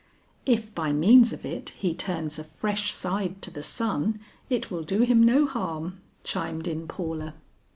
"If by means of it he turns a fresh side to the sun, it will do him no harm," chimed in Paula.